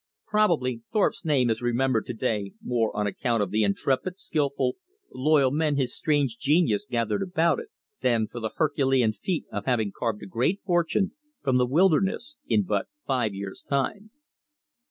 Probably Thorpe's name is remembered to day more on account of the intrepid, skillful, loyal men his strange genius gathered about it, than for the herculean feat of having carved a great fortune from the wilderness in but five years' time.